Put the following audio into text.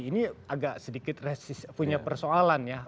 ini agak sedikit punya persoalan ya